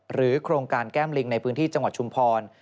โครงการแก้มลิงในพื้นที่จังหวัดชุมพร